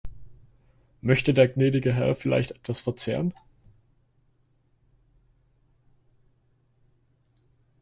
Möchte der gnädige Herr vielleicht etwas verzehren?